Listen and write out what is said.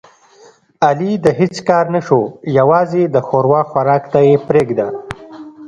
علي د هېڅ کار نشو یووازې د ښوروا خوراک ته یې پرېږده.